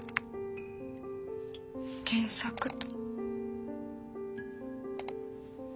検索と。